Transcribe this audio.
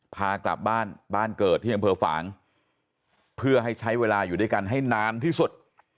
พากลับบ้านบ้านเกิดที่อำเภอฝางเพื่อให้ใช้เวลาอยู่ด้วยกันให้นานที่สุด